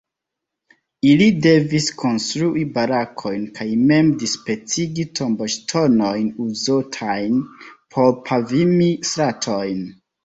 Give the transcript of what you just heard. Ili devis konstrui barakojn kaj mem dispecigi tomboŝtonojn uzotajn por pavimi stratojn.